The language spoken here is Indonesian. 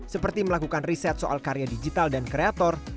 seperti melakukan riset soal karya digital dan kreator